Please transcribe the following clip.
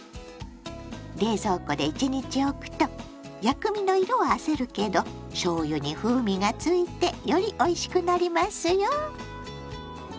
冷蔵庫で１日おくと薬味の色はあせるけどしょうゆに風味がついてよりおいしくなりますよ。